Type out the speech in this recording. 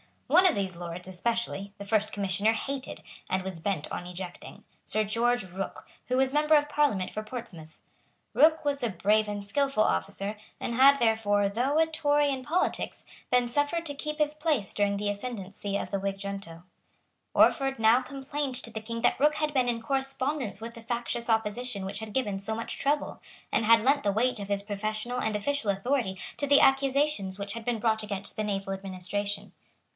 One of these Lords, especially, the First Commissioner hated, and was bent on ejecting, Sir George Rooke, who was Member of Parliament for Portsmouth. Rooke was a brave and skilful officer, and had, therefore, though a Tory in politics, been suffered to keep his place during the ascendency of the Whig junto. Orford now complained to the King that Rooke had been in correspondence with the factious opposition which had given so much trouble, and had lent the weight of his professional and official authority to the accusations which had been brought against the naval administration.